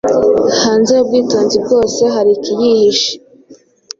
Hanze yubwitonzi bwose hari ikihiyishe